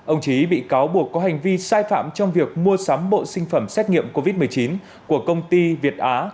ông trí bị cáo buộc có hành vi sai phạm trong việc mua sắm bộ sinh phẩm xét nghiệm covid một mươi chín của công ty việt á